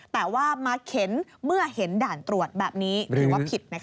แต่ว่ามาเข็นเมื่อเห็นด่านตรวจแบบนี้ถือว่าผิด